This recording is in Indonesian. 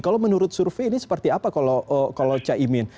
kalau menurut survei ini seperti apa kalau caimin